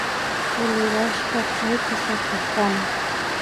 Kulirashpa chaypi sakirkani